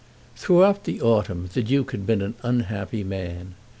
Throughout the autumn the Duke had been an unhappy man.